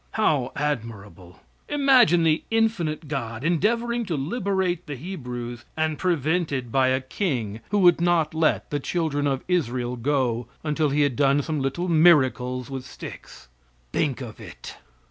How admirable! Imagine the infinite God endeavoring to liberate the Hebrews, and prevented by a king, who would not let the children of Israel go until he had done some little miracles with sticks! Think of it!